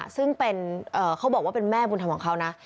ซึ่งเขาบอกว่าเป็นแม่บุญธรรมของเขานะ